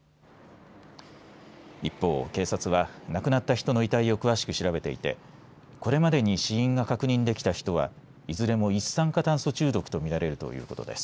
一方、警察は亡くなった人の遺体を詳しく調べていてこれまでに死因が確認できた人はいずれも一酸化炭素中毒とみられるということです。